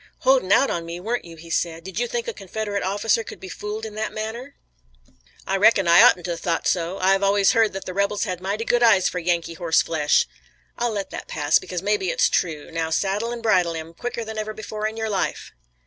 "Holding out on me, were you?" he said. "Did you think a Confederate officer could be fooled in that manner?" "I reckon I oughtn't to have thought so. I've always heard that the rebels had mighty good eyes for Yankee horseflesh." "I'll let that pass, because maybe it's true. Now, saddle and bridle him quicker than ever before in your life."